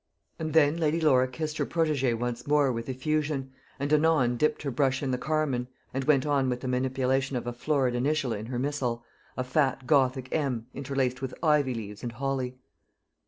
And then Lady Laura kissed her protégée once more with effusion, and anon dipped her brush in the carmine, and went on with the manipulation of a florid initial in her Missal a fat gothic M, interlaced with ivy leaves and holly.